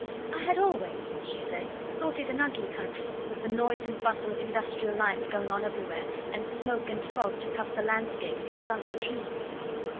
"I had always," she said, "thought it an ugly country, with the noise and bustle of industrial life going on everywhere, and smoke and fog to cover the landscape and to stunt the trees."